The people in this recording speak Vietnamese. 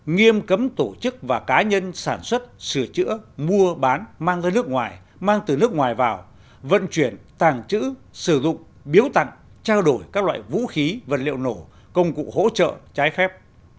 nghiêm cấm tổ chức và cá nhân sản xuất sửa chữa mua bán mang ra nước ngoài mang từ nước ngoài vào vận chuyển tàng trữ sử dụng biếu tặng trao đổi các loại vũ khí vật liệu nổ công cụ hỗ trợ trái phép